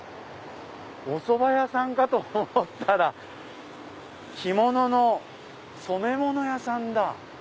おそば屋さんかと思ったら着物の染め物屋さんだ。